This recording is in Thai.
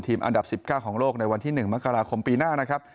อันดับ๑๙ของโลกในวันที่๑มกราคมปีหน้านะครับ